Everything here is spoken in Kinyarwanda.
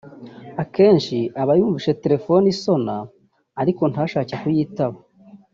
akenshi aba yumvise telefone isona ariko ntashake kuyitaba